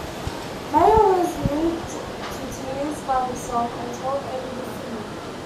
Mayer was moved to tears by the song, and told Eddy to sing it.